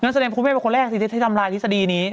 นั่นแสดงคุณแม่เป็นคนแรกที่ได้ทำรายฤทธิษฎีนี้